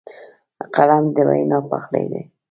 قلم د وینا پخلی دی